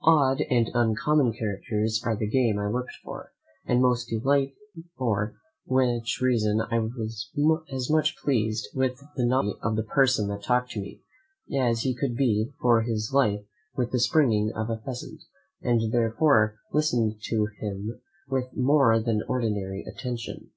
Odd and uncommon characters are the game I looked for, and most delight in; for which reason I was as much pleased with the novelty of the person that talked to me, as he could be for his life with the springing of a pheasant, and therefore listen'd to him with more than ordinary attention.